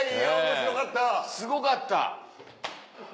すごかった。